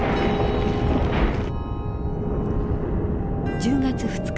１０月２日。